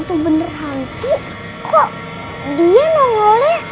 udah dah udah dah